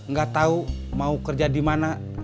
nggak tahu mau kerja di mana